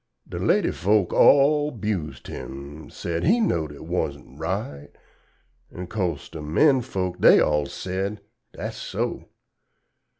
Da lady folks all 'bused him, sed, he knowed it wus'n right An' 'cose da men folks dey all sed, "Dat's so."